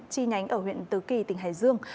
chi nhánh ở huyện tứ kỳ tỉnh hải dương